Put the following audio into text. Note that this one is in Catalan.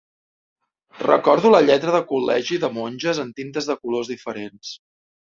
Recordo la lletra de col·legi de monges en tintes de colors diferents.